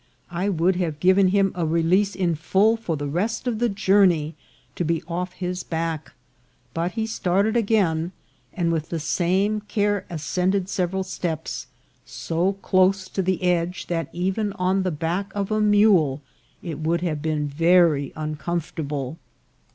I would have given him a release in full for the rest of the journey to be off his back; but he started again, and with the same care as cended several steps, so close to the edge that even on the back of a mule it would have been very uncomfort 276 INCIDENTS OF TRAVEL. able.